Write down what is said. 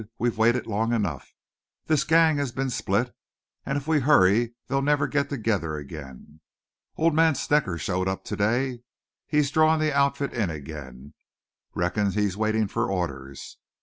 We've waited long enough. This gang has been split, an' if we hurry they'll never get together again. Old man Snecker showed up to day. He's drawin' the outfit in again. Reckon he's waitin' for orders.